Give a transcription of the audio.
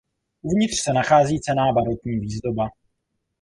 Uvnitř se nachází cenná barokní výzdoba.